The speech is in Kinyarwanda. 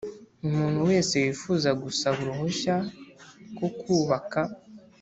Umuntu wese wifuza gusaba uruhushya rwo kubaka